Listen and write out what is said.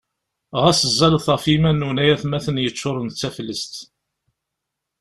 Ɣas ẓallet ɣef yiman-nwen ay atmaten yeččuren d taflest!